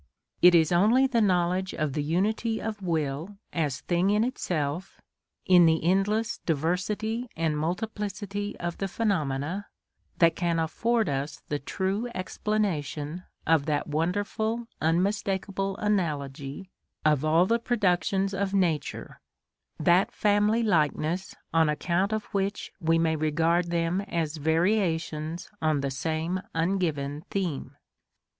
It is only the knowledge of the unity of will as thing in itself, in the endless diversity and multiplicity of the phenomena, that can afford us the true explanation of that wonderful, unmistakable analogy of all the productions of nature, that family likeness on account of which we may regard them as variations on the same ungiven theme.